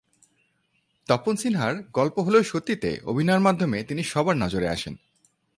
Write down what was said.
তপন সিনহার "গল্প হলেও সত্যি"তে অভিনয়ের মাধ্যমে তিনি সবার নজরে আসেন।